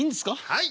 「はい」。